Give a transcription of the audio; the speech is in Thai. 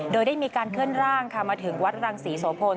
โดยได้มีการเคลื่อนร่างค่ะมาถึงวัดรังศรีโสพล